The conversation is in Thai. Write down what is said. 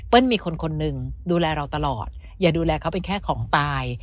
มีคนคนหนึ่งดูแลเราตลอดอย่าดูแลเขาเป็นแค่ของตาย